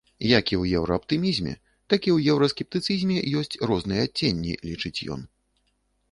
Як і ў еўрааптымізме, так і ў еўраскептыцызме ёсць розныя адценні, лічыць ён.